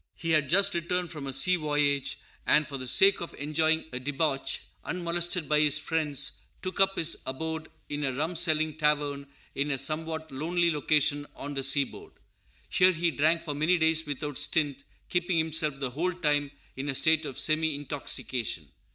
He had just returned from a sea voyage; and, for the sake of enjoying a debauch, unmolested by his friends, took up his abode in a rum selling tavern in a somewhat lonely location on the seaboard. Here he drank for many days without stint, keeping himself the whole time in a state of semi intoxication.